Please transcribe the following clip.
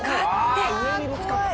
あ上にぶつかった。